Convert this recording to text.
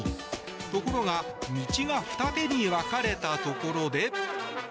ところが道が二手に分かれたところで。